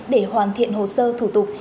để hoàn thiện hồ sơ thủ tục